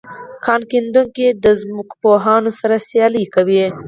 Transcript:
کان کیندونکي د ځمکپوهانو سره سیالي کوي